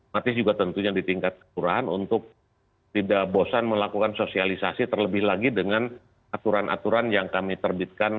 matis juga tentunya di tingkat kelurahan untuk tidak bosan melakukan sosialisasi terlebih lagi dengan aturan aturan yang kami terbitkan